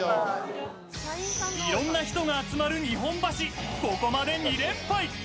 いろんな人が集まる日本橋、ここまで２連敗。